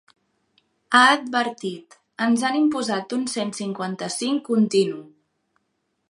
Ha advertit: ‘Ens han imposat un cent cinquanta-cinc continu’.